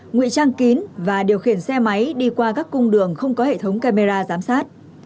nguy trang kín và điều khiển xe máy đi qua các cung đường không có hệ thống camera giám sát